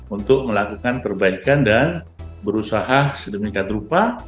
untuk melakukan perbaikan dan berusaha sedemikian rupa